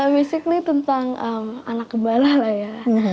basically tentang anak kebalah lah ya